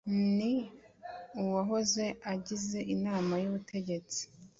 n uwahoze agize inama y ubutegetsi